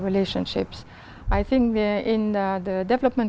lịch sử và tiếp tục